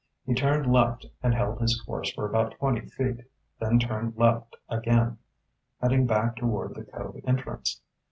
He turned left and held his course for about twenty feet, then turned left again, heading back toward the cove entrance.